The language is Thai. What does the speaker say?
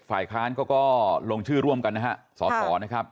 ฝ่ายค้างก็ก็ลงชื่อร่วมกันนะฮะศศนะครับ